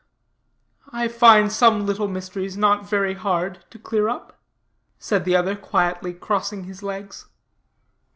"I find some little mysteries not very hard to clear up," said the other, quietly crossing his legs.